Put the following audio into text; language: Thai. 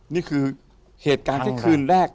นี่คือเหตุการณ์แค่คืนแรก